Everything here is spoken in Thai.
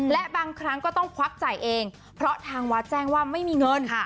และบางครั้งก็ต้องควักจ่ายเองเพราะทางวัดแจ้งว่าไม่มีเงิน